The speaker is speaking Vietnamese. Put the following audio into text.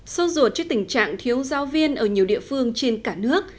sâu ruột trước tình trạng thiếu giáo viên ở nhiều địa phương trên cả nước